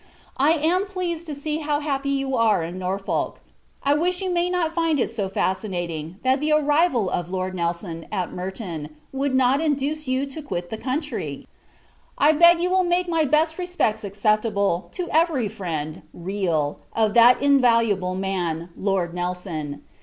I am pleased to see how happy you are in Norfolk. I wish you may not find it so fascinating, that the arrival of "Lord Nelson" at Merton would not induce you to [quit] the county!!! I beg you will make my best respects acceptable to every friend (real) of that invaluable man, Lord Nelson.